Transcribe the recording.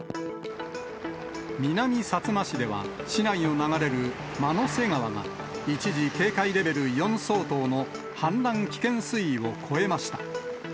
南さつま市では市内を流れる万之瀬川が一時、警戒レベル４相当の氾濫危険水位を超えました。